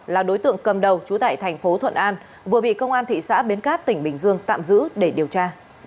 là đối tượng cầm đầu trú tại thành phố thuận an vừa bị công an thị xã bến cát tỉnh bình dương tạm giữ để điều tra